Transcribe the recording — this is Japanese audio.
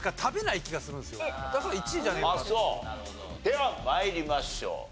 では参りましょう。